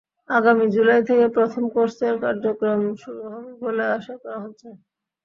আগামী জুলাই থেকে প্রথম কোর্সের কার্যক্রম শুরু হবে বলে আশা করা হচ্ছে।